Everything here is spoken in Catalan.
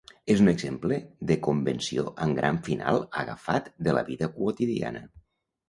És un exemple de convenció amb gran final agafat de la vida quotidiana.